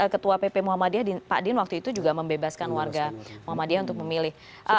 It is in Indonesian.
dua ribu empat belas ketua pp muhammadiyah pak din waktu itu juga membebaskan warga muhammadiyah untuk memilih